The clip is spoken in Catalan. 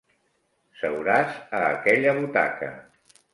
Seuràs a aquella butaca.